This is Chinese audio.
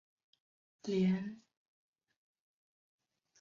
联合银行的营业网点主要分布在杭州市各地。